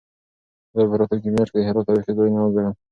زه به راتلونکې میاشت د هرات تاریخي ځایونه وګورم.